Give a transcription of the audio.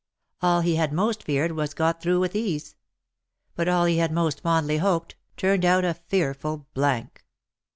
All he had most feared was got through with ease ; but all he had most fondly hoped, turned out a fearful blank.